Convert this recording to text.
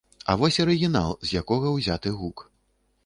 А вось арыгінал, з якога ўзяты гук.